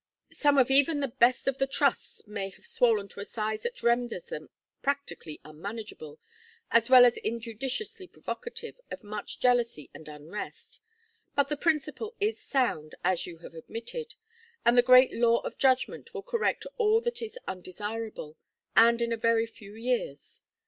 Some of even the best of the trusts may have swollen to a size that renders them practically unmanageable, as well as injudiciously provocative of much jealousy and unrest. But the principle is sound, as you have admitted, and the great law of adjustment will correct all that is undesirable, and in a very few years.